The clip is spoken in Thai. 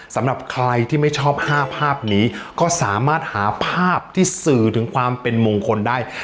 สำหรับใครที่ไม่ชอบ๕ภาพนี้ก็สามารถหาภาพที่สื่อถึงความเป็นมงคลได้